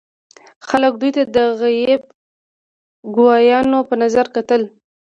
خلکو دوی ته د غیب ګویانو په نظر کتل.